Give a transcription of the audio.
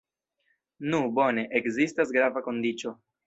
Nu, bone, ekzistas grava kondiĉo.